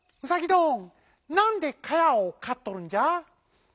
どんなんでかやをかっとるんじゃ？」。